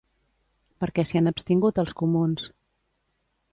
Per què s'hi han abstingut els comuns?